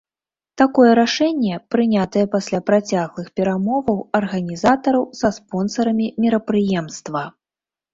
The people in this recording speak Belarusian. Такое рашэнне прынятае пасля працяглых перамоваў арганізатараў са спонсарамі мерапрыемства.